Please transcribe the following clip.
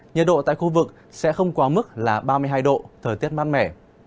nhiệt độ tại khu vực sẽ không quá mức là ba mươi hai độ thời tiết mát mẻ